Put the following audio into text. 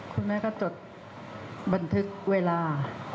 คุณแม่ก็จดบันทึกเวลา